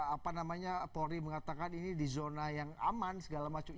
apa namanya polri mengatakan ini di zona yang aman segala macam